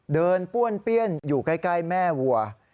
ป้วนเปี้ยนอยู่ใกล้แม่วัว